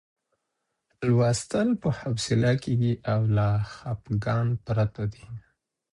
لوستل په حوصله کېږي او له خپګان پرته دی.